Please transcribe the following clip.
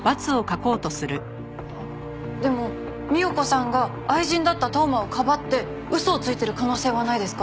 あっでも三代子さんが愛人だった当麻をかばって嘘をついてる可能性はないですか？